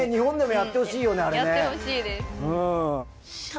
やってほしいです。